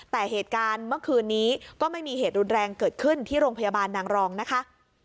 แต่เหตุการณ์เมื่อคืนนี้ก็ไม่มีเหตุรุนแรงเกิดขึ้นที่โรงพยาบาลนางรองนะคะ